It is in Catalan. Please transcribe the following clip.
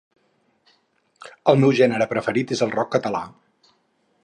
El meu gènere preferit és el rock català.